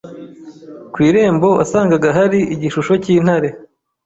Ku irembo wasangaga hari igishusho cy'intare.